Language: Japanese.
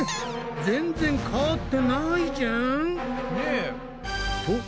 全然変わってないじゃん！ね。